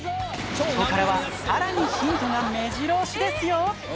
ここからはさらにヒントがめじろ押しですよ。